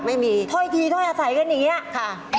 ไม่มีเลยถ้อยทีถ้อยอาศัยกันอย่างนี้อะค่ะไม่มีค่ะไม่มี